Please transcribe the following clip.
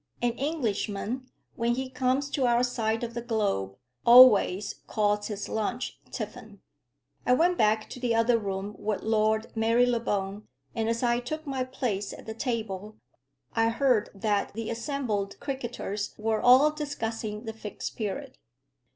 An Englishman, when he comes to our side of the globe, always calls his lunch tiffin. I went back to the other room with Lord Marylebone; and as I took my place at the table, I heard that the assembled cricketers were all discussing the Fixed Period.